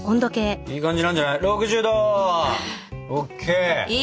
いい感じなんじゃない？